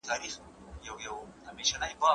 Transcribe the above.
دا سیسټم د کاروونکو لپاره ډېر اسانه دی.